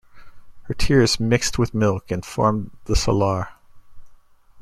Her tears mixed with milk and formed the Salar.